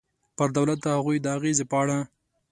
پر دولت د هغوی د اغېزې په اړه.